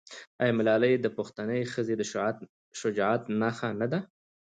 آیا ملالۍ د پښتنې ښځې د شجاعت نښه نه ده؟